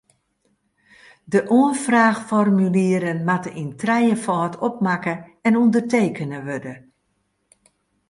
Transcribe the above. De oanfraachformulieren moatte yn trijefâld opmakke en ûndertekene wurde.